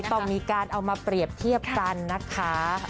ต้องมีการเอามาเปรียบเทียบกันนะคะ